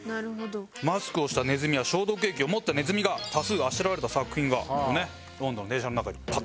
マスクをしたネズミや消毒液を持ったネズミが多数あしらわれた作品がロンドンの電車の中に。